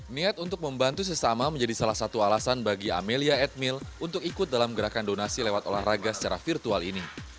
niat untuk membantu sesama menjadi salah satu alasan bagi amelia edmil untuk ikut dalam gerakan donasi lewat olahraga secara virtual ini